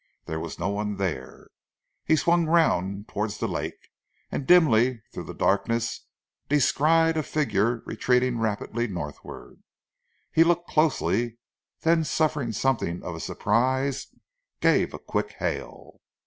There was no one there. He swung round towards the lake, and dimly through the darkness descried a figure retreating rapidly northwards. He looked closely, then suffering something of a surprise, gave a quick hail.